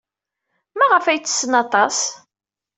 Maɣef ay ttessen aṭas?